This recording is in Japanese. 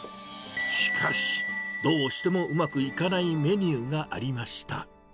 しかし、どうしてもうまくいかないメニューがありました。